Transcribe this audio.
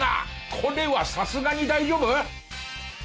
これはさすがに大丈夫！？